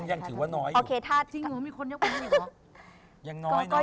ยังถือว่าน้อยอยู่จริงหรือมีคนเยอะไปไม่อยู่เหรอ